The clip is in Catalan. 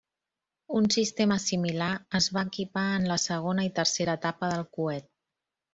Un sistema similar es va equipar en la segona i tercera etapa del coet.